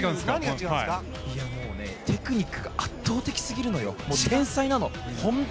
テクニックが圧倒的すぎるのよ。